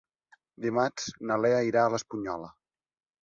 Dimarts na Lea irà a l'Espunyola.